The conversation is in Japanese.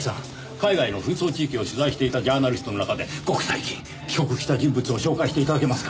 海外の紛争地域を取材していたジャーナリストの中でごく最近帰国した人物を照会して頂けますか？